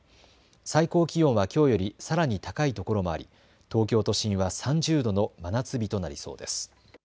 最高気温はきょうよりさらに高いところもあり東京都心は３０度の真夏日となりそうです。